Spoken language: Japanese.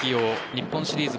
日本シリーズ